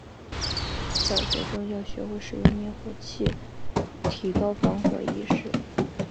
小学生要学会使用灭火器，提高防火意识。